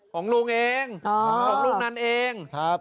ของลุงนันเอง